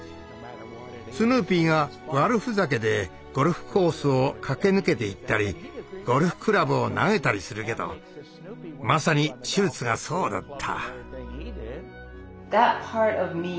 スヌーピーが悪ふざけでゴルフコースを駆け抜けていったりゴルフクラブを投げたりするけどまさにシュルツがそうだった。